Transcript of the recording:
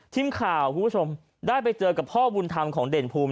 คุณผู้ชมได้ไปเจอกับพ่อบุญธรรมของเด่นภูมิ